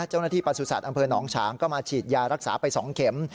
เจ้าหน้าที่ประสุทธิ์อำเภอน้องฉางก็มาฉีดยารักษาไป๒เข็ม